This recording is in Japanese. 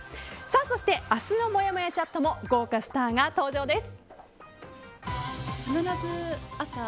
そして明日のもやもやチャットも豪華スターが登場です。